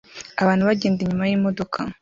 Abantu bagenda inyuma yimodoka